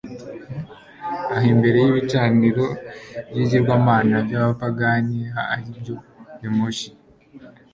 aho, imbere y'ibicaniro by'ibigirwamana by'abapagani ari byo kemoshi